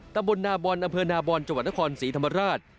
ตำบลนาบอลอำเภอนาบอนจังหวัดนครศรีธรรมราช